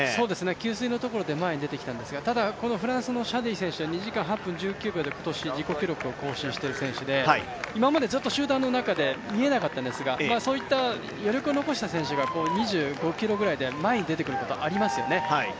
給水のところで前に出てきたんですがこのフランスのシャディ選手は２時間８分１９秒で自己記録を更新している選手で今までずっと集団の中で見えなかったんですが、そうやって余力を残した選手が２５ｋｍぐらいで前に出てくることありますよね。